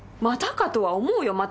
「またか」とは思うよ